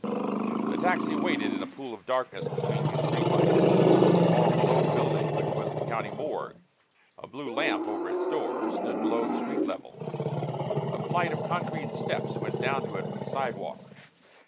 The taxi waited in a pool of darkness between two street lights. The long, low building which was the County morgue, a blue lamp over its door, stood below the street level. A flight of concrete steps went down to it from the sidewalk.